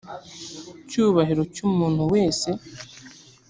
cyubahiro cy umuntu wese